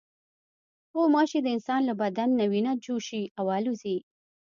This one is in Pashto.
غوماشې د انسان له بدن نه وینه چوشي او الوزي.